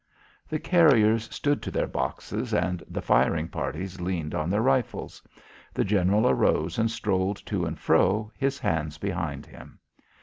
The carriers stood to their boxes and the firing parties leaned on their rifles. The general arose and strolled to and fro, his hands behind him.